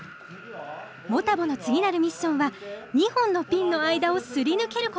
モタボの次なるミッションは２本のピンの間をすり抜けること。